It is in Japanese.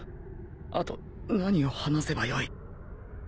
あと何を話せばよい？